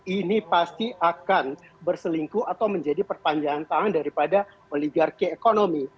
ini pasti akan berselingkuh atau menjadi perpanjangan tangan daripada oligarki ekonomi